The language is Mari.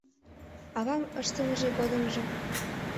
Авам ыштымыже годымжо